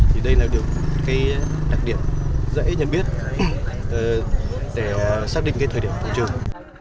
thì đây là được cái đặc điểm dễ nhận biết để xác định cái thời điểm thị trường